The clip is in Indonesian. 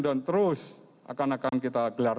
terus akan akan kita gelar